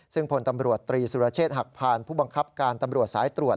ซึ่งพลตำรวจตรีสุรเชษฐ์หักพานผู้บังคับการตำรวจสายตรวจ